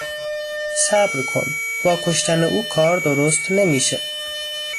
صبر کن ، با کشتن اون کار درست نمیشه